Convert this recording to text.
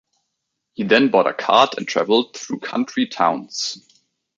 He then bought a cart and travelled through country towns.